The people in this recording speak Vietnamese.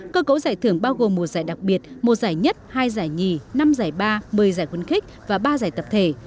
cơ cấu giải thưởng bao gồm một giải đặc biệt một giải nhất hai giải nhì năm giải ba một mươi giải khuyến khích và ba giải tập thể